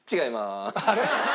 あれ？